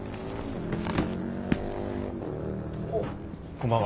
こんばんは。